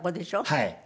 はい。